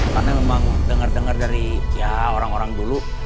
karena memang denger denger dari ya orang orang dulu